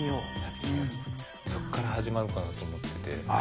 そっから始まるかなと思ってて。